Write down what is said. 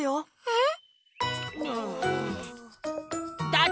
えっ？